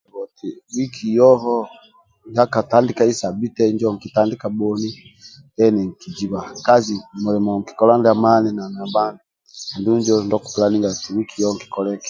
Oti Wiki yoho ndyakatandikai sabite injo nkitandika bhoni theni nkijibha kazi mulimo nkikola ndyamani andulu injo ndyoku pulaningaga oti wiki yo nkikoleki